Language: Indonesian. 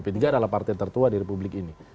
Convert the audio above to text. p tiga adalah partai tertua di republik ini